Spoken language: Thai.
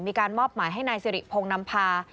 มีการมอบหมายให้นายสิริพงศ์นำพา